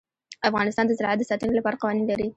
افغانستان د زراعت د ساتنې لپاره قوانین لري.